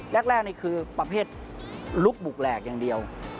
แรกนี่คือประเภทลุกบุกแหลกอย่างเดียว